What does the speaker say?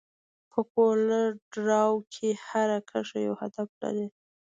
په کولر ډراو کې هره کرښه یو هدف لري.